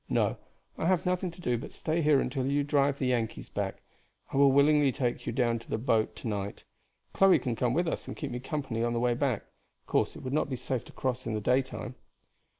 No, I have nothing to do but to stay here until you drive the Yankees back. I will willingly take you down to the boat to night. Chloe can come with us and keep me company on the way back. Of course it would not be safe to cross in the daytime."